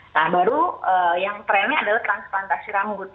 nah baru yang trennya adalah transplantasi rambut